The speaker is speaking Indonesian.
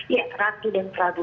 ya ratu dan peratu